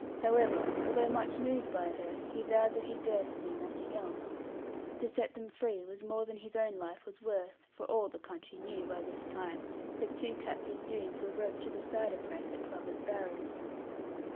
However, although much moved by her, he vowed that he durst do nothing else. To set them free was more than his own life was worth; for all the country knew, by this time, that two captive Doones were roped to the cider press at Plover's Barrows.